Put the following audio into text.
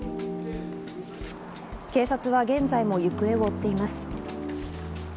警察は現在も行方を追っています。